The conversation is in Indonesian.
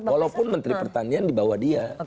walaupun menteri pertanian di bawah dia